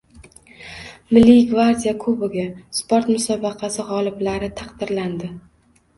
“Milliy gvardiya kubogi” sport musobaqasi g‘oliblari taqdirlandi